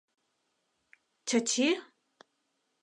Чачи?..